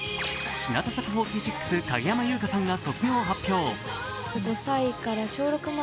日向坂４６・影山優佳さんが卒業を発表。